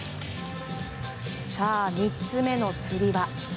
さあ、３つ目のつり輪。